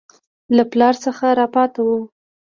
له پلاره څه راپاته وو.